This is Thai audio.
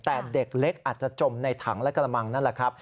แต่เด็กเล็กอาจจะจมในถังและกระมังนั่นแหละครับ